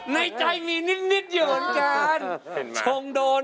ในใจมีนิดเงินกัน